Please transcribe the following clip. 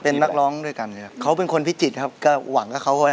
เป็นโลกประหลัดแต่งงานมันจะหายไหมเนาะ